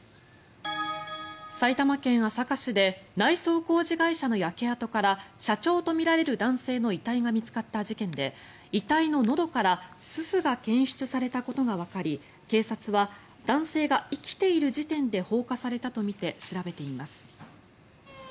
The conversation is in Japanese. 埼玉県朝霞市で内装工事会社の焼け跡から社長とみられる男性の遺体が見つかった事件で遺体ののどからすすが検出されたことがわかり警察は、男性が生きている時点で放火されたとみて調べています。